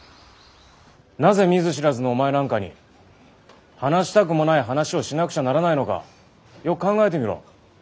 なぜ見ず知らずのお前なんかに話したくもない話をしなくちゃならないのかよく考えてみろ。